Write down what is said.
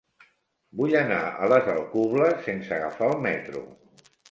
Vull anar a les Alcubles sense agafar el metro.